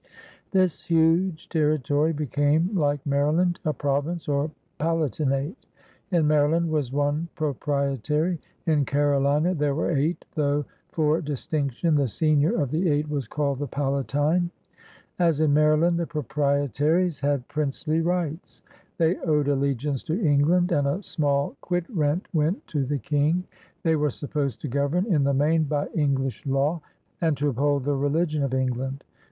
This huge territory became, like Maryland, a province or palatinate. In Maryland was one Pro prietary; in Carolina there were eight, though for distinction the senior of the eight was called the Palatine. As in Maryland, the Proprietaries had THE CAROUNAS 808 princely rights. They owed allegiance to England, and a small quit rent weiit to the King. They were supposed to govern, in the main, by English law and to uphold the religion of England.